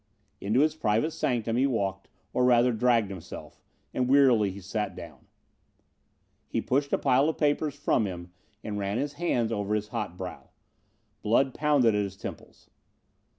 Into his private sanctum he walked or rather dragged himself, and wearily he sat down. He pushed a pile of papers from him and ran his hand over his hot brow. Blood pounded at his temples.